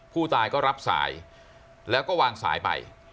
ผู้ตายก็รับสายแล้วก็วางสายไป